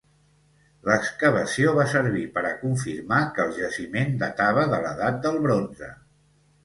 L'excavació va servir per a confirmar que el jaciment datava de l'edat del bronze.